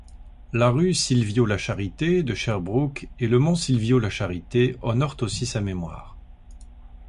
La rue Sylvio-Lacharité de Sherbrooke et le mont Sylvio-Lacharité honorent aussi sa mémoire.